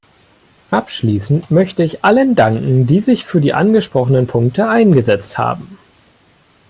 Abschließend möchte ich allen danken, die sich für die angesprochenen Punkte eingesetzt haben.